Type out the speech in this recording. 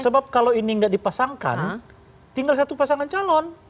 sebab kalau ini tidak dipasangkan tinggal satu pasangan calon